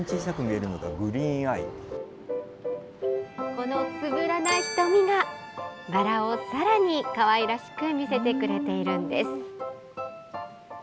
このつぶらな瞳が、バラをさらにかわいらしく見せてくれているんです。